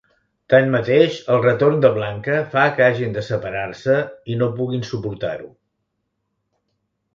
Tanmateix, el retorn de Blanca fa que hagin de separar-se i no puguin suportar-ho.